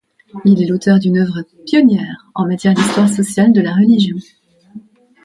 Il est l'auteur d'une œuvre pionnière en matière d'histoire sociale de la religion.